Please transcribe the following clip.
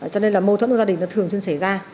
cho nên là mâu thuẫn của gia đình thường xuyên xảy ra